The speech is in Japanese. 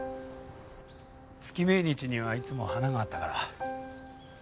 月命日にはいつも花があったから。